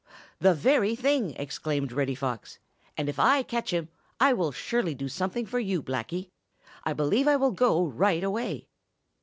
"The very thing," exclaimed Reddy Fox, "and if I catch him, I will surely do something for you, Blacky. I believe that I will go right away."